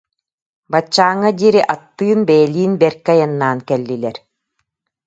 Баччааҥҥа диэри аттыын, бэйэлиин бэркэ айаннаан кэллилэр